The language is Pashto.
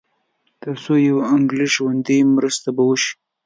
تر څو یو انګلیس ژوندی وي مرسته به وشي.